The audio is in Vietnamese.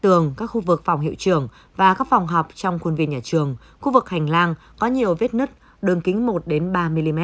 tường các khu vực phòng hiệu trường và các phòng học trong khuôn viên nhà trường khu vực hành lang có nhiều vết nứt đường kính một ba mm